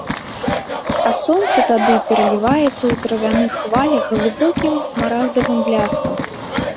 А сонца тады пераліваецца ў травяных хвалях глыбокім смарагдавым бляскам.